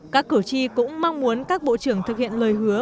các cử tri cũng mong muốn các bộ trưởng thực hiện lời hứa